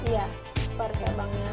iya per cabangnya